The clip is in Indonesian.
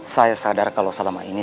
saya sadar kalau selama ini